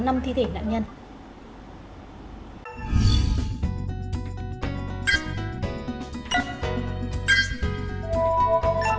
hãy đăng ký kênh để ủng hộ kênh của mình nhé